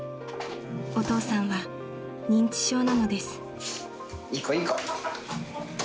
［お父さんは認知症なのです］